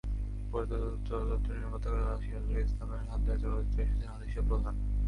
প্রয়াত চলচ্চিত্র নির্মাতা চাষী নজরুল ইসলামের হাত ধরে চলচ্চিত্রে এসেছেন আলিশা প্রধান।